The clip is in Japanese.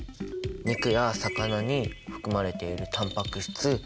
肉や魚に含まれているタンパク質。